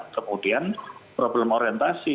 kemudian problem orientasi